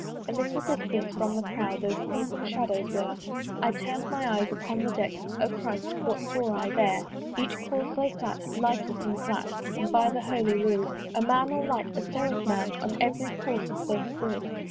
A little distance from the prow Those crimson shadows were: I turn'd my eyes upon the deck O Christ! what saw I there? Each corse lay flat, lifeless and flat; And by the Holy rood A man all light, a seraph man, On every corse there stood.